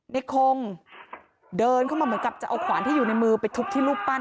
ในคงเดินเข้ามาเหมือนกับจะเอาขวานที่อยู่ในมือไปทุบที่รูปปั้น